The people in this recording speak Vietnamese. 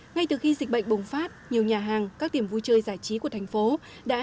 ngay từ khi dịch bệnh bùng phát nhiều nhà hàng các điểm vui chơi giải trí của thành phố đã